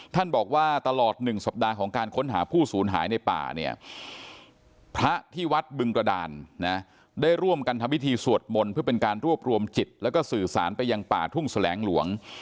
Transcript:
ท่านบอกว่าตลอด๑สัปดาห์ของการค้นหาผู้สูญหายในป่าเนี่ยพระที่วัดบึงกระดานนะได้ร่วมกันทำพิธีสวดมนต์เพื่อเป็นการรวบรวมจิตแล้วก็สื่อสารไปยังป่าทุ่งแสลงหลวง